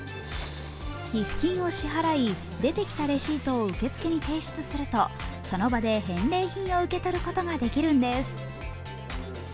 寄付金を支払い、出てきたレシートを受付に提出するとその場で返礼品を受け取ることができるんです。